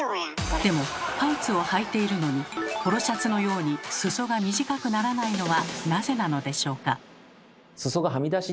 でもパンツをはいているのにポロシャツのように裾が短くならないのはなぜなのでしょうか？